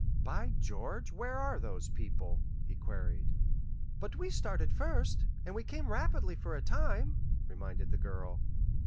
"By George, where are those people?" he queried. "But we started first, and we came rapidly for a time," reminded the girl.